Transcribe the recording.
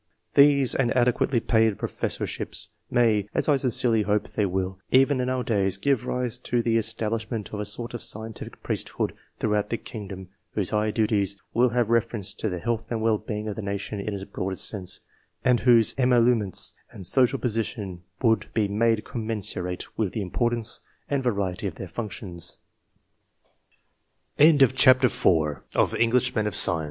These and adequately paid profes sorships may, as I sincerely hope they will, even in our days, give rise to the establishment of a sort of scientific priesthood throughout the kingdom, whose high duties would have re ference to the health and well being of the nation in its broadest sense, and whose emolu ments and social position would be made commensurate with the importance and variety of their